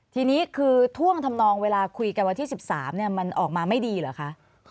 ทีนี้คือท่วงทำนองเวลาคุยกันวันที่๑๓มันออกมาไม่ดีเหรอคะ